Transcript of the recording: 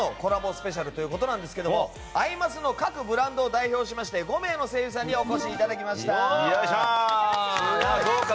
スペシャルということですが「アイマス」の各ブランドを代表しまして５名の声優さんにお越しいただきました。